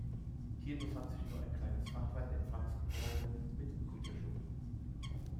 Hier befand sich nur ein kleines Fachwerk-Empfangsgebäude mit Güterschuppen.